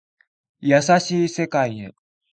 優しい世界へ